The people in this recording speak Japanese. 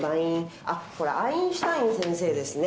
これはアインシュタイン先生です。